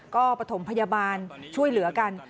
ก็ประถมพยาบาลช่วยเหลือกัน